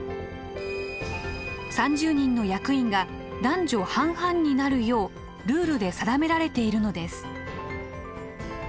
３０人の役員が男女半々になるようルールで定められているのです。